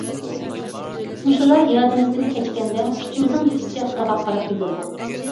مۇشۇلار يادىمىزدىن كەچكەندە كۈچىمىزنىڭ يېتىشىچە قىرغاققا قاراپ يۈگۈردۇق.